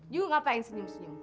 you ngapain senyum senyum